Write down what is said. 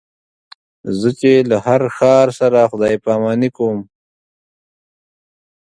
زه چې له هر ښار سره خدای پاماني کوم.